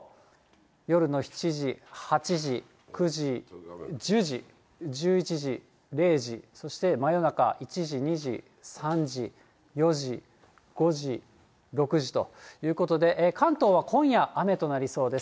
夜の７時、８時、９時、１０時、１１時、０時、そして真夜中、１時、２時、３時、４時、５時、６時ということで、関東は今夜、雨となりそうです。